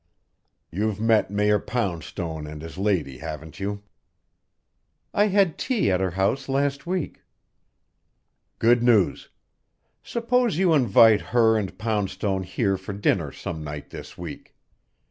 You've met Mayor Poundstone and his lady, haven't you?" "I had tea at her house last week." "Good news. Suppose you invite her and Poundstone here for dinner some night this week.